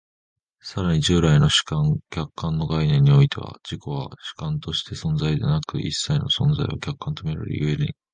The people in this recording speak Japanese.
更に従来の主観・客観の概念においては、自己は主観として存在でなく、一切の存在は客観と見られる故に、